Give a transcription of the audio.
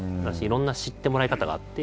いろんな知ってもらい方があって。